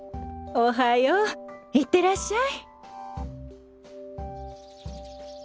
おはよう行ってらっしゃい。